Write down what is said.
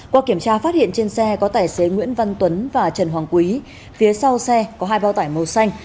qua kiểm tra phát hiện trên xe có tài xế nguyễn văn tuấn và trần hoàng quý phía sau xe có hai bao tải màu xanh